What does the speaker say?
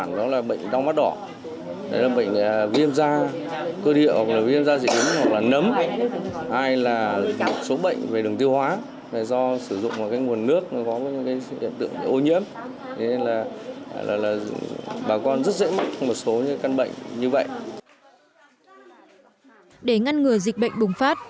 để ngăn ngừa dịch bệnh bùng phát